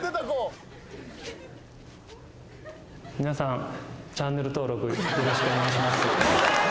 皆さん。